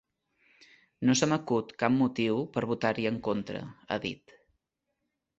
“No se m’acut cap motiu per votar-hi en contra”, ha dit.